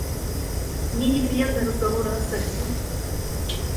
Мне неприятны разговоры о сексе.